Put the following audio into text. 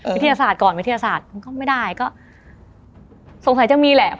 วิทยาศาสตร์ก่อนวิทยาศาสตร์ก็ไม่ได้